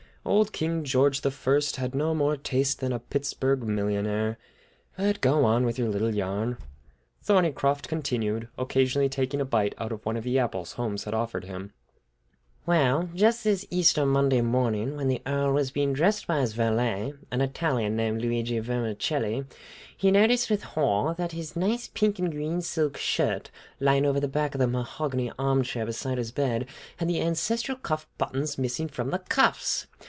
"Old King George I had no more taste than a Pittsburg millionaire! But go on with your little yarn." Thorneycroft continued, occasionally taking a bite out of one of the apples Holmes had offered him: "Well, just this Easter Monday morning, when the Earl was being dressed by his valet, an Italian named Luigi Vermicelli, he noticed with horror that his nice pink and green silk shirt, lying over the back of the mahogany arm chair beside his bed, had the ancestral cuff buttons missing from the cuffs!